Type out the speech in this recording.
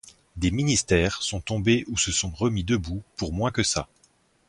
Des ministères sont tombés ou se sont remis debout pour moins que ça.